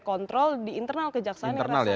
kontrol di internal kejaksaan yang rasanya